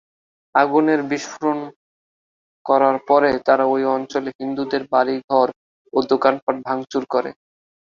আগুনের বিস্ফোরণ করার পরে তারা ওই অঞ্চলে হিন্দুদের বাড়িঘর ও দোকানপাট ভাঙচুর করে।